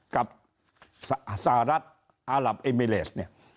กับสหรัฐอาหลับเอมิเลสเนี่ย